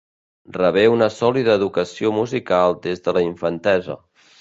Rebé una sòlida educació musical des de la infantesa.